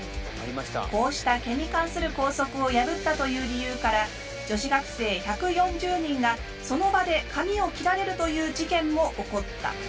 こうした毛に関する校則を破ったという理由から女子学生１４０人がその場で髪を切られるという事件も起こった。